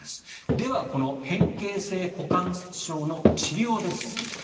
では、この変形性股関節症の治療です。